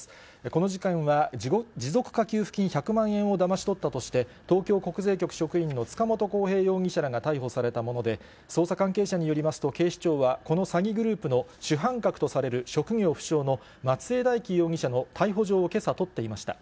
この事件は持続化給付金１００万円をだまし取ったとして、東京国税局職員の塚本晃平容疑者らが逮捕されたもので、捜査関係者によりますと、警視庁は、この詐欺グループの主犯格とされる職業不詳の松江大樹容疑者の逮捕状をけさ取っていました。